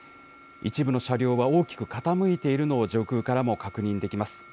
一部の車両は大きく傾いているのを、上空からも確認できます。